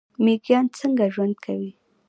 میږیان څنګه ژوند کوي؟